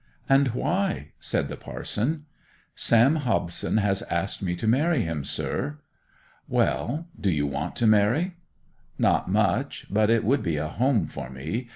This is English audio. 'And why?' said the parson. 'Sam Hobson has asked me to marry him, sir.' 'Well—do you want to marry?' 'Not much. But it would be a home for me.